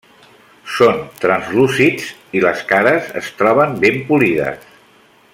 Són translúcids i les cares es troben ben polides.